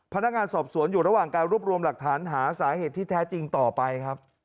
พนักงานสอบสวนอยู่ระหว่างการรวบรวมหลักฐานหาสาเหตุที่แท้จริงต่อไปครับ